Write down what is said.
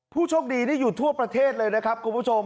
ผู้โชคดีนี่อยู่ทั่วประเทศเลยนะครับคุณผู้ชม